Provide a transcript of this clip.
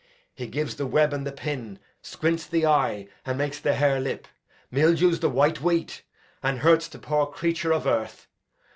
He gives the web and the pin, squints the eye, and makes the harelip; mildews the white wheat, and hurts the poor creature of earth.